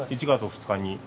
１月２日に。